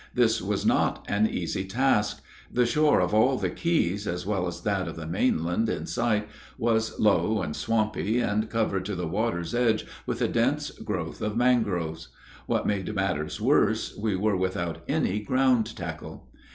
This was not an easy task; the shore of all the keys, as well as that of the mainland in sight, was low and swampy, and covered to the water's edge with a dense growth of mangroves. What made matters worse, we were without any ground tackle.